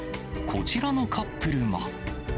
こちらのカップルは。